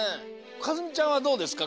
一実ちゃんはどうですか？